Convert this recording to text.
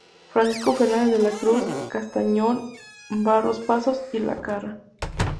Francisco Fernández de la Cruz, Castañón, Barros Pazos y Lacarra.